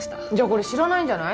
これ知らないんじゃない？